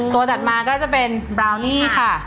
ถัดมาก็จะเป็นบราวนี่ค่ะ